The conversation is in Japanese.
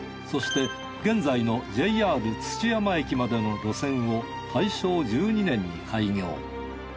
そして現在のＪＲ土山駅までの路線を大正１２年に開業。